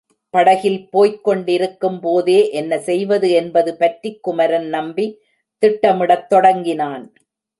படகில் போய்க்கொண்டிருக்கும் போதே என்ன செய்வது என்பது பற்றிக் குமரன் நம்பி திட்டமிடத் தொடங்கினான்.